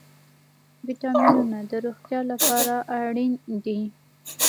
ویټامینونه د روغتیا لپاره اړین دي